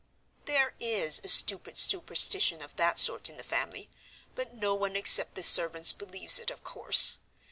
"There is a stupid superstition of that sort in the family, but no one except the servants believes it, of course.